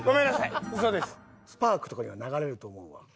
『Ｓ−ＰＡＲＫ』とかには流れると思うわ。